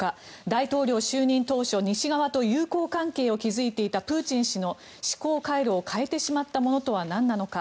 大統領就任当初西側と友好関係を築いていたプーチン氏の思考回路を変えてしまったものとはなんなのか。